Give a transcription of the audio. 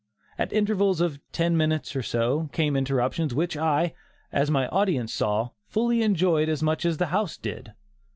At intervals of ten minutes, or so, came interruptions which I, as my audience saw, fully enjoyed as much as the house did.